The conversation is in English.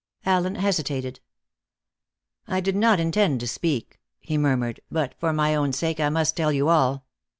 Allen hesitated. "I did not intend to speak," he murmured; "but for my own sake I must tell you all.